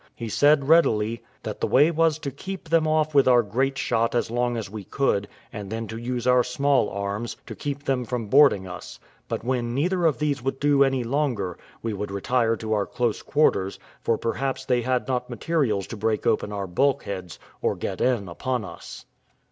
He said readily, that the way was to keep them off with our great shot as long as we could, and then to use our small arms, to keep them from boarding us; but when neither of these would do any longer, we would retire to our close quarters, for perhaps they had not materials to break open our bulkheads, or get in upon us.